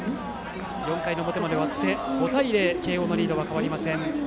４回の表までが終わって５対０慶応のリードは変わりません。